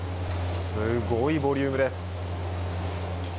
すごいボリュームです。